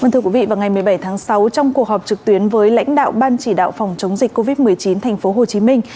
thưa quý vị vào ngày một mươi bảy tháng sáu trong cuộc họp trực tuyến với lãnh đạo ban chỉ đạo phòng chống dịch covid một mươi chín thành phố hồ chí minh